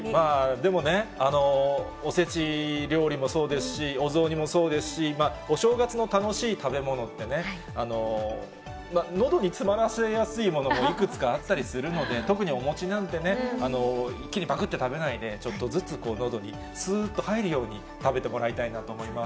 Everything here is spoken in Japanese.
でもね、おせち料理もそうですし、お雑煮もそうですし、お正月の楽しい食べ物ってね、のどに詰まらせやすいものも、いくつかあったりするので、特にお餅なんてね、一気にばくって食べないで、ちょっとずつのどに、つーっと入るように食べてもらいたいと思います。